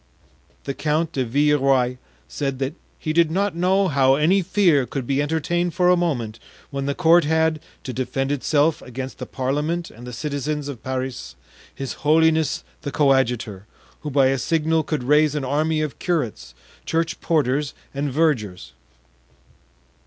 The Count de Villeroy said that "he did not know how any fear could be entertained for a moment, when the court had, to defend itself against the parliament and the citizens of Paris, his holiness the coadjutor, who by a signal could raise an army of curates, church porters and vergers."